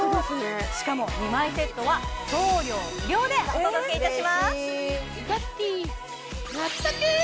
しかも２枚セットは送料無料でお届けいたします